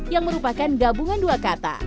yang merupakan gabungan dua kata